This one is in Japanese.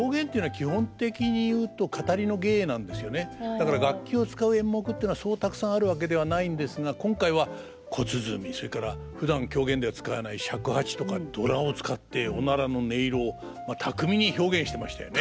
だから楽器を使う演目っていうのはそうたくさんあるわけではないんですが今回は小鼓それからふだん狂言では使わない尺八とかドラを使っておならの音色を巧みに表現してましたよね。